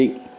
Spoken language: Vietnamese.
về tài chính